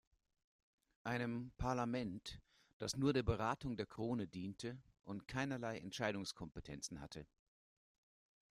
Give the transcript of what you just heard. Einem Parlament, das nur der Beratung der Krone diente und keinerlei Entscheidungskompetenzen hatte.